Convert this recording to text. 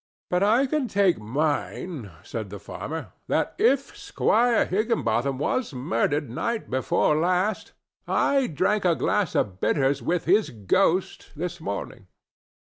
"But I can take mine," said the farmer, "that if Squire Higginbotham was murdered night before last I drank a glass of bitters with his ghost this morning.